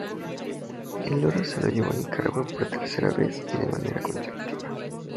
El oro se lo llevó Nicaragua por tercera vez y de manera consecutiva.